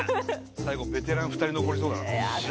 最後ベテラン２人残りそうだな。